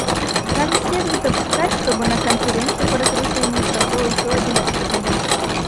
Нам не следует допускать, чтобы на Конференции по разоружению прошел еще один потерянный год.